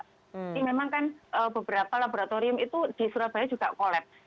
memang kan beberapa laboratorium itu di surabaya juga collab